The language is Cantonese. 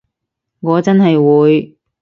我真係會